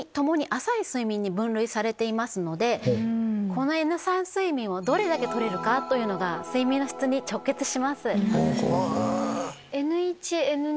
このＮ３睡眠をどれだけとれるかというのが睡眠の質に直結します。